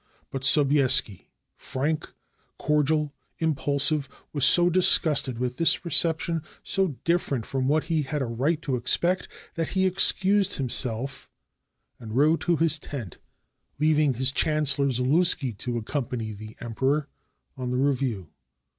But Sobieski, frank, cordial, impulsive, was so disgusted with this reception, so different from what he had a right to expect, that he excused himself, and rode to his tent, leaving his chan cellor Zaluski to accompany the Emperor on the re view.